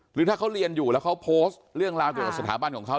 หรือถ้าเขาเรียนอยู่แล้วเขาโพสต์เรื่องราวเกี่ยวกับสถาบันของเขา